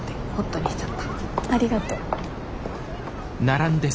ありがとう。